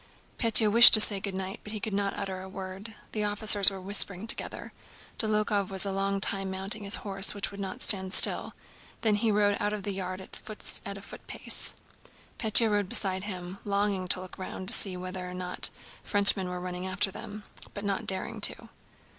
Pétya wished to say "Good night" but could not utter a word. The officers were whispering together. Dólokhov was a long time mounting his horse which would not stand still, then he rode out of the yard at a footpace. Pétya rode beside him, longing to look round to see whether or not the French were running after them, but not daring to.